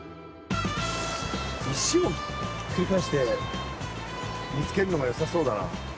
石をひっくり返して見つけるのがよさそうだな。